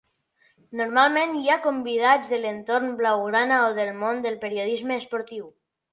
Normalment, hi ha convidats de l'entorn blaugrana o del món del periodisme esportiu.